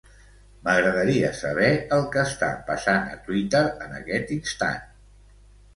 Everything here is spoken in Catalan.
M'agradaria saber el que està passant a Twitter en aquest instant.